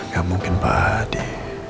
gak mungkin pak adi